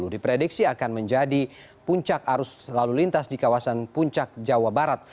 diprediksi akan menjadi puncak arus lalu lintas di kawasan puncak jawa barat